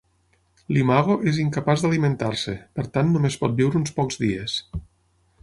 L'imago és incapaç d'alimentar-se, per tant només pot viure uns pocs dies.